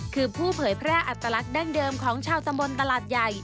คือผู้เผยแพร่อัตลักษณ์ดั้งเดิมของชาวตำบลตลาดใหญ่